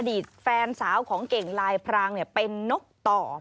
ตแฟนสาวของเก่งลายพรางเป็นนกต่อ